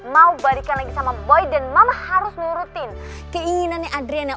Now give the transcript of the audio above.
mau balik lagi sama boy dan mama harus nurutin keinginannya adriana